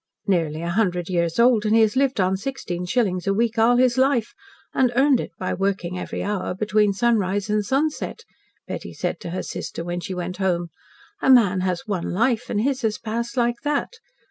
"Nearly a hundred years old, and he has lived on sixteen shillings a week all his life, and earned it by working every hour between sunrise and sunset," Betty said to her sister, when she went home. "A man has one life, and his has passed like that.